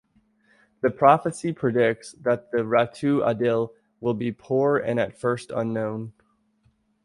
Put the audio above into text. The prophecy predicts that the Ratu Adil will be poor and at first unknown.